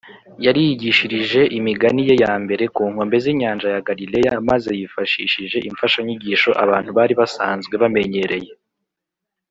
yari yigishirije imigani ye ya mbere ku nkombe z’inyanja ya galileya, maze yifashishije imfashanyigisho abantu bari basanzwe bamenyereye,